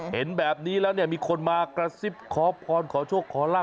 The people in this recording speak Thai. เห็นแบบนี้แล้วเนี่ยมีคนมากระซิบขอพรขอโชคขอลาบ